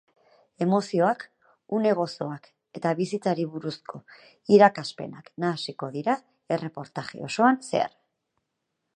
Emozioak, une gozoak eta bizitzari buruzko irakaspenak nahasiko dira erreportaje osoan zehar.